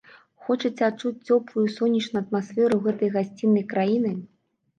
Хочаце адчуць цёплую і сонечную атмасферу гэтай гасціннай краіны?